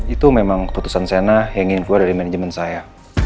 itu memang keputusan sienna yang diinfo dari manajemen saya